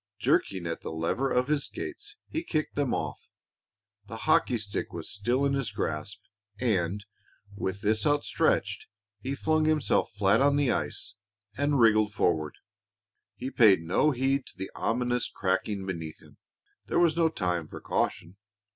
Jerking at the lever of his skates, he kicked them off. The hockey stick was still in his grasp, and, with this outstretched, he flung himself flat on the ice and wriggled forward. He paid no heed to the ominous cracking beneath him; there was no time for caution.